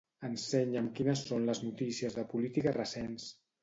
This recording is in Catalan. Ensenya'm quines són les notícies de política recents.